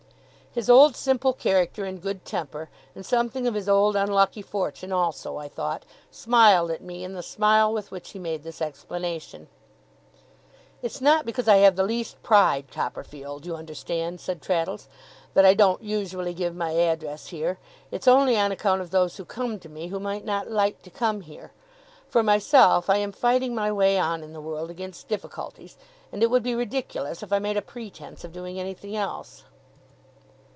His old simple character and good temper, and something of his old unlucky fortune also, I thought, smiled at me in the smile with which he made this explanation. 'It's not because I have the least pride, Copperfield, you understand,' said Traddles, 'that I don't usually give my address here. It's only on account of those who come to me, who might not like to come here. For myself, I am fighting my way on in the world against difficulties, and it would be ridiculous if I made a pretence of doing anything else.